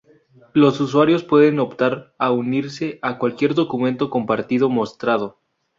Los usuarios pueden optar a unirse a cualquier documento compartido mostrado.